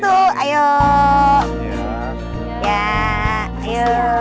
sehat sehat ya semuanya ya